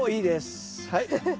はい。